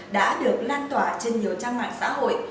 đã được lan tỏa trên nhiều trang mạng xã hội